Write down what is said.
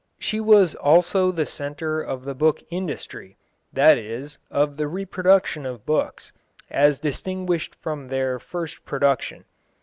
She was also the centre of the book industry, that is, of the reproduction of books, as distinguished from their first production.